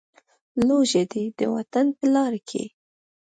لوږه دې د وطن په لاره کې.